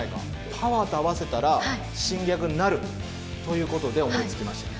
パワーと合わせたら、新ギャグになるということで思いつきましたね。